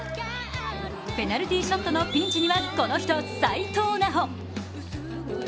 ペナルティーショットのピンチにはこの人、犀藤菜穂。